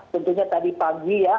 tentunya tadi pagi ya